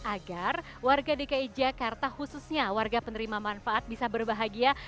agar warga dki jakarta khususnya warga penerima manfaat bisa berbahagia